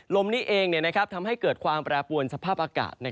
ลมนี้เองทำให้เกิดความแปรปวนสภาพอากาศ